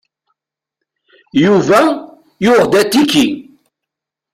Yuba yuɣ-d atiki.